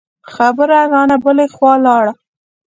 خبره رانه بله خوا لاړه.